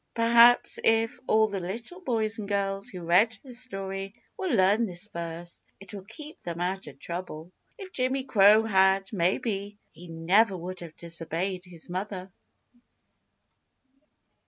Perhaps if all the little boys and girls who read this story will learn this verse, it will keep them out of trouble. If Jimmy Crow had, maybe he never would have disobeyed his mother.